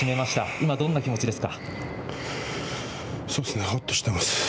今、どんな気持ちですか。